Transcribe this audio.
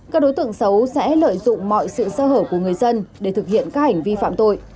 các đối tượng xấu sẽ lợi dụng mọi sự sơ hở của người dân để thực hiện các hành vi phạm tội